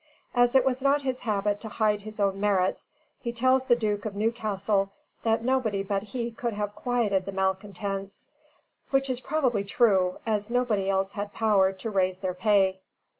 As it was not his habit to hide his own merits, he tells the Duke of Newcastle that nobody but he could have quieted the malcontents, which is probably true, as nobody else had power to raise their pay.